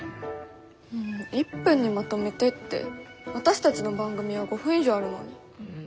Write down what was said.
１分にまとめてって私たちの番組は５分以上あるのに。